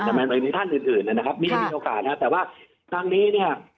แต่มันมีท่านอื่นอื่นนะครับไม่มีโอกาสนะฮะแต่ว่าทางนี้เนี่ย